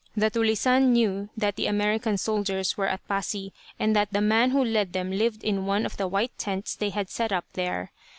The "tulisane" knew that the American soldiers were at Pasi; and that the man who led them lived in one of the white tents they had set up there.